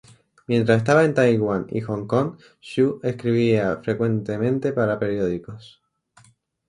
Mientras estaba en Taiwán y Hong Kong, Xu escribía frecuentemente para periódicos.